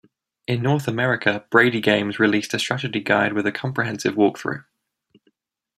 In North America, BradyGames released a strategy guide with a comprehensive walkthrough.